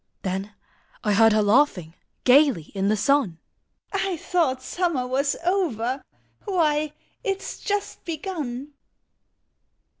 Then I heard her laughing Gaily in the sun, " I thought Summer was over: Why, it \s just begun